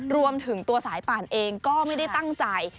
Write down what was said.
รวมถึงตัวสายป่านเองก็ไม่ได้ตั้งใจ